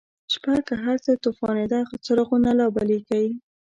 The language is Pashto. شپه که هرڅه توفانیده، څراغونه لابلیږی